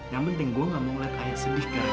yang penting gue gak mau ngelihat ayah sedih gara gara lo